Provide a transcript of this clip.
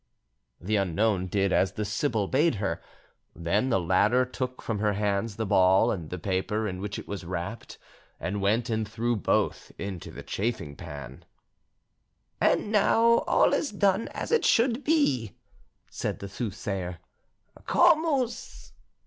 The unknown did as the sibyl bade her; then the latter took from her hands the ball and the paper in which it was wrapped, and went and threw both into the chafing pan. "And now all is done as it should be," said the soothsayer. "Comus!"